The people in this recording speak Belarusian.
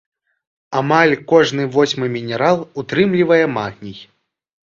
Амаль кожны восьмы мінерал утрымлівае магній.